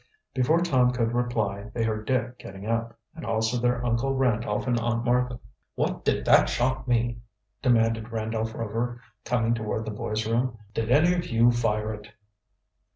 Before Tom could reply they heard Dick getting up, and also their Uncle Randolph and Aunt Martha. "What did that shot mean?" demanded Randolph Rover, coming toward the boys' rooms. "Did any of you fire it?"